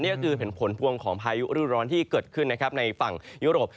นี่ก็คือเห็นผลพวงของพายุรูร้อนที่เกิดขึ้นนะครับในฝั่งยุโรป